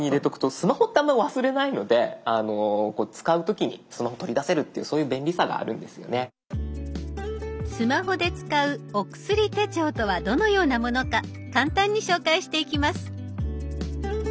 スマホで使うお薬手帳とはどのようなものか簡単に紹介していきます。